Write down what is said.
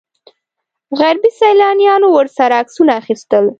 غربي سیلانیانو ورسره عکسونه اخیستل.